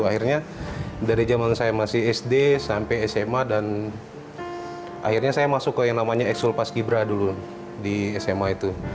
akhirnya dari zaman saya masih sd sampai sma dan akhirnya saya masuk ke yang namanya eksul paski bra dulu di sma itu